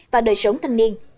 và đời sống thanh niên